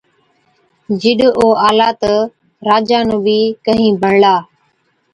جِڏ او آلا تہ راجا نُون بِي ڪهِين بڻلا۔